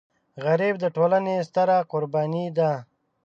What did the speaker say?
غریب د ټولنې ستره قرباني ده